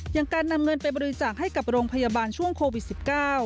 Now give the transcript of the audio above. อย่างการนำเงินไปบริจาคให้กับโรงพยาบาลช่วงโควิด๑๙